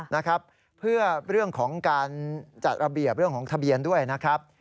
นะครับเพื่อเรื่องของการจัดระเบียบเรื่องของทะเบียนด้วยนะครับ